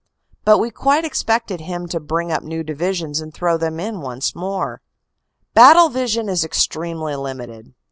But we quite expected him to bring up new divisions and throw them in once more. Battle vision is extremely limited.